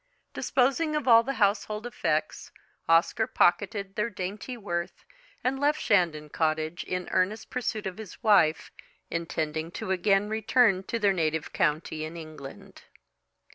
Disposing of all the household effects, Oscar pocketed their dainty worth, and left Shandon Cottage in earnest pursuit of his wife, intending to again return to their native county in England.